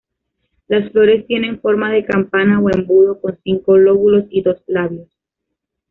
Las flores tienen forma de campana o embudo, con cinco lóbulos y dos labios.